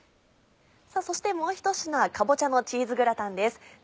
さぁそしてもう一品かぼちゃのチーズグラタンです。